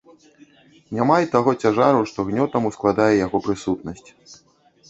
Няма й таго цяжару, што гнётам ускладае яго прысутнасць.